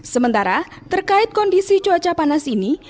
sementara terkait kondisi cuaca panas ini